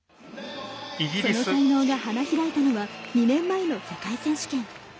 その才能が花開いたのは２年前の世界選手権。